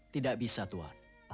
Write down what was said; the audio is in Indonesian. tidak bisa tuan